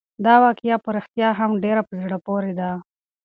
دا واقعه په رښتیا هم ډېره په زړه پورې ده.